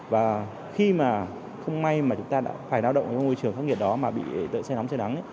và khi mà không may mà chúng ta đã phải lao động trong nguồn trường khắc nhiệt đó mà bị say nóng say nắng